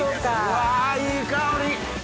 うわいい香り！